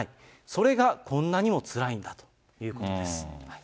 それがこんなにもつらいんだということです。